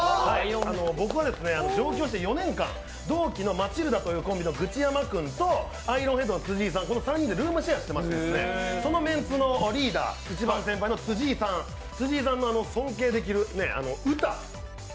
僕は上京して４年間、同期のマチルダというコンビのグチヤマ君とアイロンヘッド・辻井さんの３人でルームシェアしてまして、そのメンツのリーダー、一番先輩の辻井さん辻井さんの尊敬できる歌。